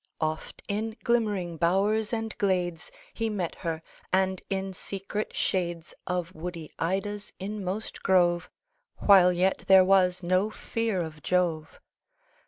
Oft in glimmering bowers and glades He met her, and in secret shades Of woody Ida's inmost grove, Whilst yet there was no fear of Jove.